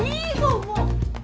もう。